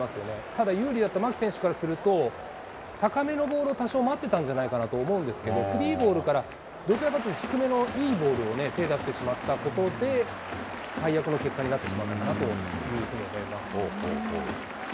ただ有利だった牧選手からすると、高めのボールを多少、待ってたんじゃないかなと思うんですけど、スリーボールから、どちらかというと低めのいいボールに手出してしまったことで、最悪の結果になってしまったかなということだと思います。